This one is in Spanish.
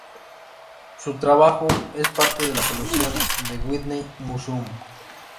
Su trabajo es parte de la colección del Whitney Museum.